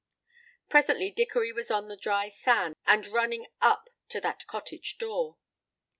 Presently Dickory was on the dry sand, and running up to that cottage door.